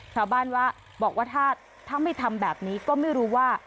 ชาวบ้านว่าบอกว่าถ้าไม่ทำแบบนี้ก็ไม่รู้ว่า